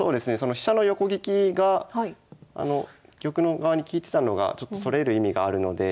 飛車の横利きが玉の側に利いてたのがちょっとそれる意味があるので。